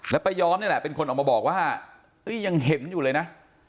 แล้วประยอมเป็นคนออกมาบอกว่ายังเห็นอยู่เลยนะ